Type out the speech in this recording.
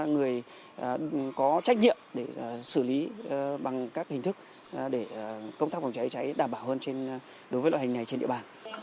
người có trách nhiệm để xử lý bằng các hình thức để công tác phòng cháy cháy đảm bảo hơn đối với loại hình này trên địa bàn